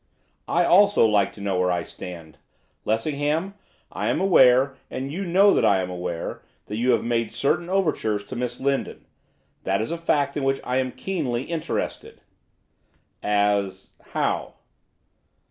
'I, also, like to know where I stand. Lessingham, I am aware, and you know that I am aware, that you have made certain overtures to Miss Lindon. That is a fact in which I am keenly interested.' 'As how?